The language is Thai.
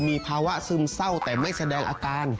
มีภาวะซึมเศร้าแต่ไม่แสดงอาการ